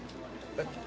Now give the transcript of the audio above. えっ